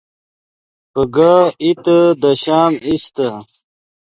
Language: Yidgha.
پوگہ ایتے دے شام ایستے